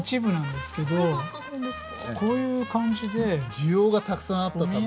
需要がたくさんあったために。